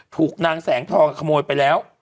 ถูกนางแสงทองขโมยไปแล้ว